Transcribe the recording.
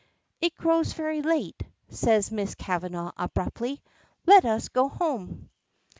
"It grows very late," says Miss Kavanagh abruptly. "Let us go home."